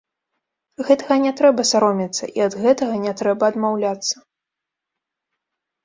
Гэтага не трэба саромецца, і ад гэтага не трэба адмаўляцца.